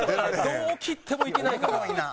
どう切っても行けないから。